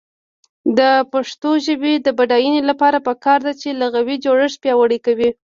د پښتو ژبې د بډاینې لپاره پکار ده چې لغوي جوړښت پیاوړی شي.